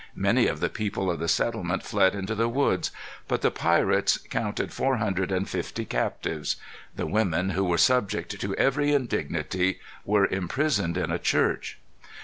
Many of the people of the settlement fled into the woods. But the pirates counted four hundred and fifty captives. The women, who were subject to every indignity, were imprisoned in a church.